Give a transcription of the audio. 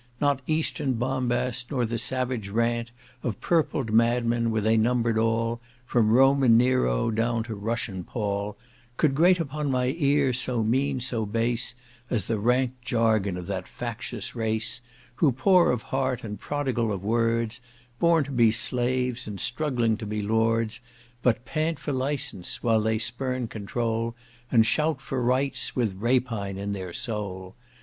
Not eastern bombast, nor the savage rant Of purpled madmen, were they numbered all From Roman Nero, down to Russian Paul, Could grate upon my ear so mean, so base, As the rank jargon of that factious race, Who, poor of heart, and prodigal of words, Born to be slaves, and struggling to be lords, But pant for licence, while they spurn controul, And shout for rights, with rapine in their soul!